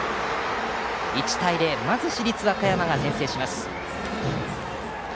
１対０まず市立和歌山が先制します。